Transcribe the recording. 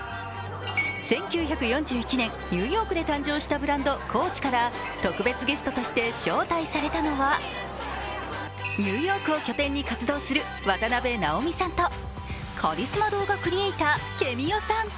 １９４１年、ニューヨークで誕生したブランドＣＯＡＣＨから特別ゲストとして招待されたのはニューヨークを拠点に活動する渡辺直美さんとカリスマ動画クリエーター、ｋｅｍｉｏさん。